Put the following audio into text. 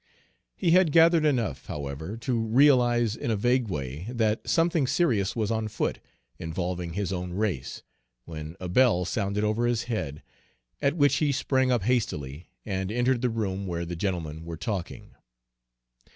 He had gathered enough, however, to realize, in a vague way, that something serious was on foot, involving his own race, when a bell sounded over his head, at which he sprang up hastily and entered the room where the gentlemen were talking.